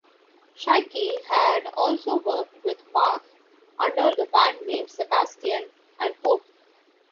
Chycki had also worked with Bach under the band names Sebastian and Hope.